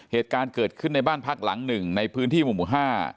เหตุการณ์เกิดขึ้นในบ้านพักหลังหนึ่งในพื้นที่หมู่๕